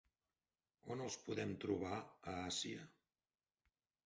On els podem trobar a Àsia?